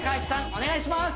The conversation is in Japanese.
お願いします